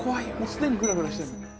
すでにグラグラしてる。